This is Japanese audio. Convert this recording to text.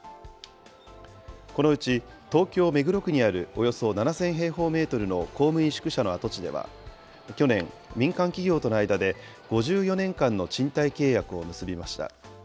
このうち東京・目黒区にあるおよそ７０００平方メートルの公務員宿舎の跡地では、去年、民間企業との間で５４年間の賃貸契約を結びました。